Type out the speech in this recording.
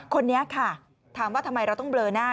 คนนี้ค่ะถามว่าทำไมเราต้องเบลอหน้า